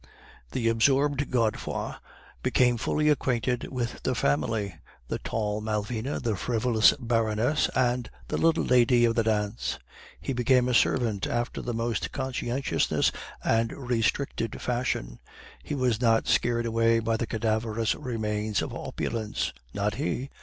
The absorbed Godefroid became fully acquainted with the family the tall Malvina, the frivolous Baroness, and the little lady of the dance. He became a servant after the most conscientious and restricted fashion. He was not scared away by the cadaverous remains of opulence; not he!